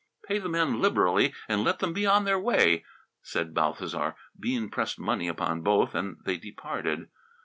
"Pay the men liberally and let them be on their way," said Balthasar. Bean pressed money upon both and they departed.